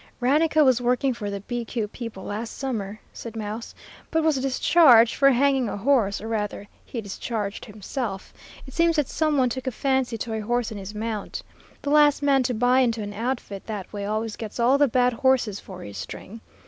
"Raneka was working for the ' BQ' people last summer," said Mouse, "but was discharged for hanging a horse, or rather he discharged himself. It seems that some one took a fancy to a horse in his mount. The last man to buy into an outfit that way always gets all the bad horses for his string.